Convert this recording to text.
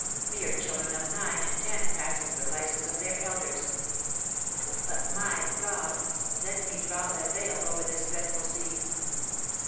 Mere children of nine and ten practised the vices of their elders. But, my God! let me draw a veil over this dreadful scene.